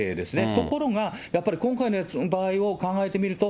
ところが、やっぱり今回の場合を考えてみると、